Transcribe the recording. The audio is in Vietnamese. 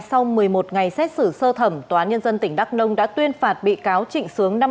sau một mươi một ngày xét xử sơ thẩm tòa án nhân dân tỉnh đắk nông đã tuyên phạt bị cáo trịnh sướng năm